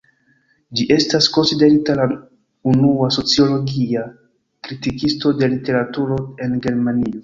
Ĝi estas konsiderita la unua "sociologia" kritikisto de literaturo en Germanio.